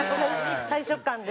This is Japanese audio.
大食漢で。